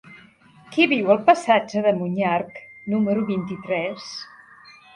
Qui viu al passatge de Monyarc número vint-i-tres?